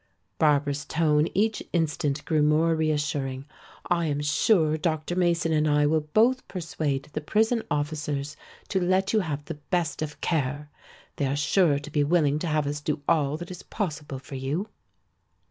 Barbara's tone each instant grew more reassuring. "I am sure Dr. Mason and I will both persuade the prison officers to let you have the best of care. They are sure to be willing to have us do all that is possible for you."